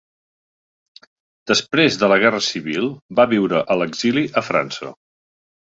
Després de la Guerra Civil va viure a l'exili a França.